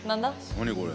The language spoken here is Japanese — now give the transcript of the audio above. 何これ？